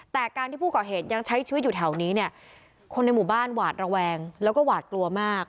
แต่การที่ผู้ก่อเหตุยังใช้ชีวิตอยู่แถวนี้เนี่ยคนในหมู่บ้านหวาดระแวงแล้วก็หวาดกลัวมาก